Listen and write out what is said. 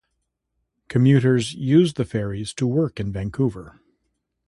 Commuters used the ferries to work in Vancouver.